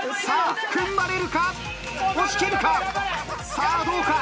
さあどうか？